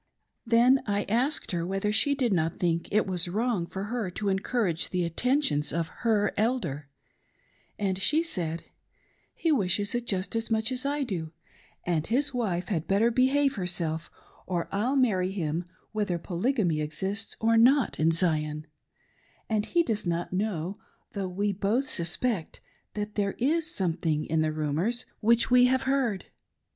Then I asked her whether she did not think it was wrong for her to encourage the attentions of her elder ; and she said :" He wishes it just as much as I do, FAITH AND FLIRTATION. 1 29 and his wife had better behave herself, or I'll marry him whether Polygamy exists or not in Zion ; and he does not know, though we both suspect, that there is something in the rumors which we have heard."